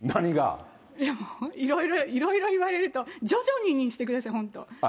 いやもう、いろいろ、いろいろ言われると、徐々ににしてください、本当。